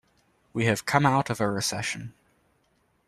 We have come out of a recession.